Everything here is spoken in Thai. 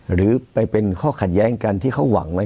หรือไปเป็นข้อขัดแย้งกันที่เขาหวังไว้